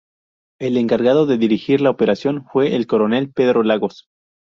El encargado de dirigir la operación fue el coronel Pedro Lagos.